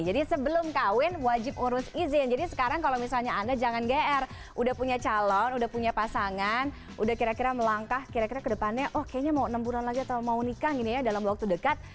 jadi sebelum kawin wajib urus izin jadi sekarang kalau misalnya anda jangan gr udah punya calon udah punya pasangan udah kira kira melangkah kira kira ke depannya oh kayaknya mau enam bulan lagi atau mau nikah gini ya dalam waktu dekat